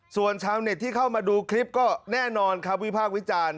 ส่วนชาวเน็ตที่เข้ามาดูคลิปก็แน่นอนครับวิพากษ์วิจารณ์